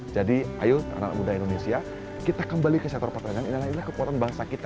jadi ayo anak muda indonesia kita kembali ke sektor pertanian inilah kekuatan bangsa kita